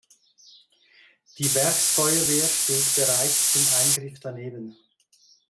Die Werksfeuerwehr steht bereit zum Eingriff daneben.